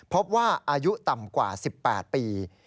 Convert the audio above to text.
พบว่าอายุต่ำกว่า๑๘ปี